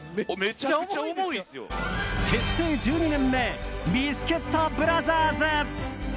結成１２年目ビスケットブラザーズ。